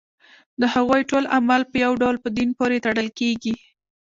د هغوی ټول اعمال په یو ډول په دین پورې تړل کېږي.